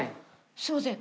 すみません。